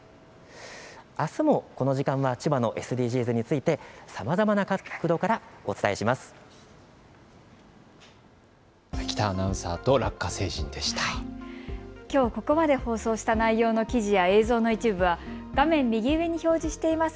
あすもこの時間は千葉のＳＤＧｓについてさまざまな角度からお伝えします。